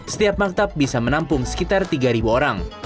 setiap maktab bisa menampung sekitar tiga orang